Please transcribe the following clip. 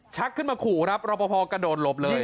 ขึ้นมาขู่ครับรอปภกระโดดหลบเลย